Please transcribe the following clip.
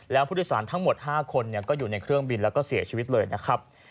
แล้วผู้โดยสารทั้งหมด๕คนก็อยู่ในเครื่องบินแล้วก็เสียชีวิตเลยนะครับ